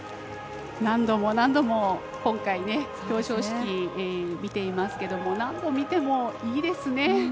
何度も何度も、今回表彰式、見てますけど何度見てもいいですね。